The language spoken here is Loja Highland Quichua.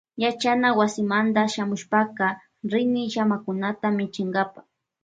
Yachana wasimanta chayamushpaka rini llamakunata michinkapa.